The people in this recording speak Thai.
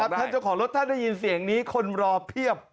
ท่านเจ้าของรถท่านได้ยินเสียงนี้คนรอเพียบ